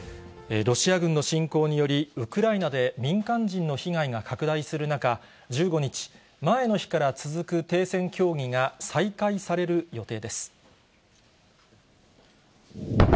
ロシア軍の侵攻により、ウクライナで、民間人の被害が拡大する中、１５日、前の日から続く停戦協議が再開される予定です。